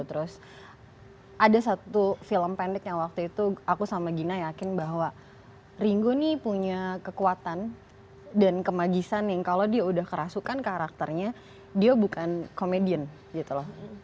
terus ada satu film pendek yang waktu itu aku sama gina yakin bahwa ringo ini punya kekuatan dan kemagisan yang kalau dia udah kerasukan karakternya dia bukan komedian gitu loh